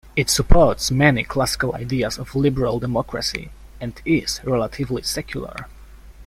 It supports many classical ideas of liberal democracy and is relatively secular.